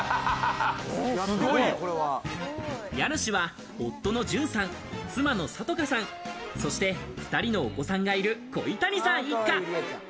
家主は夫の淳さん、妻の里佳さん、そして２人のお子さんがいる鯉谷さん一家。